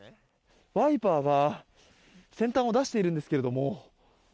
ワイパーが先端を出しているんですけど。